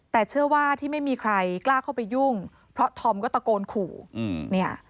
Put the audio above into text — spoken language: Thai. แต่เชื่อว่าที่ไม่มีใครกล้าเข้าไปยุ่งเพราะธอมก็ตะโกนขู่เนี่ย